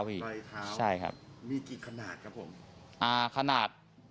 มีกี่ขนาดครับผม